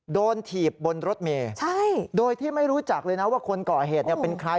ถีบบนรถเมย์โดยที่ไม่รู้จักเลยนะว่าคนก่อเหตุเป็นใคร